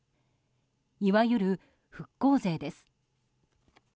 いわゆる復興税です。